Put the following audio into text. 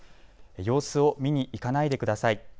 様子を見に行かないでください。